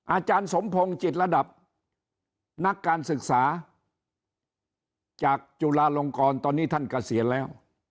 อาจารย์สมพงศ์จิตระดับนักการศึกษาจากจุฬาลงกรตอนนี้ท่านเกษียณแล้ว